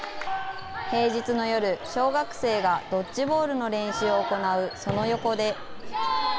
平日の夜、小学生がドッジボールの練習を行うその横で。